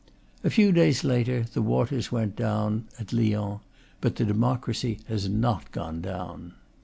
A few days later, the waters went down it Lyons; but the de mocracy has not gone down.